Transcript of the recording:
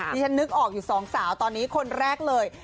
ที่ฉันนึกออกอยู่สองสาวตอนนี้คนแรกเลย